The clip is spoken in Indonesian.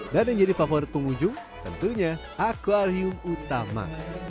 dan yang jadi favorit pengunjung tentunya akwarium utama